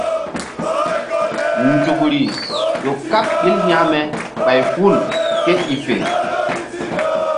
Nzukri ƴo kaɓ ɓil hekme ɓay hul ké i fe.